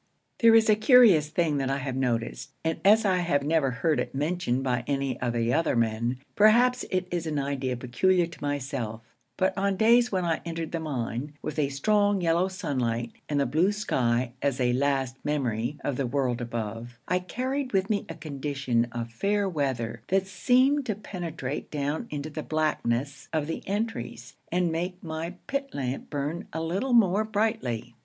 There is a curious thing that I have noticed, and as I have never heard it mentioned by any of the other men, perhaps it is an idea peculiar to myself; but on days when I entered the mine, with the strong yellow sunlight and the blue sky as a last memory of the world above, I carried with me a condition of fair weather that seemed to penetrate down into the blackness of the entries and make my pit lamp burn a little more brightly.